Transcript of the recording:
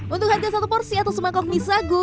untuk harga satu porsi atau semangkuk misago